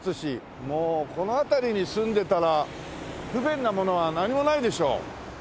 もうこの辺りに住んでたら不便なものは何もないでしょう。